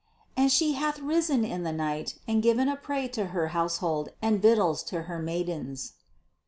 "And She hath risen in the night, and given a prey to her household, and victuals to her maidens."